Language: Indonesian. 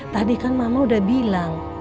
tadi kan mama udah bilang